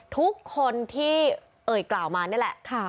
ทุกคนที่เอ่ยกล่าวมานี่แหละ